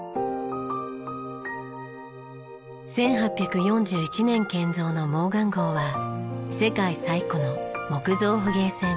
１８４１年建造のモーガン号は世界最古の木造捕鯨船。